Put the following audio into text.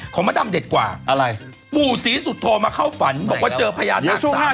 ของมาดำเด็ดกว่าอะไรบู่สีสุดโทมาเข้าฝันบอกว่าเจอพญานาคตช่วงหน้า